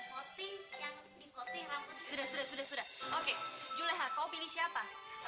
sudah sudah sudah sudah oke julia kau ini siapa